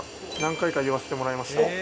何回か言わせてもらいました。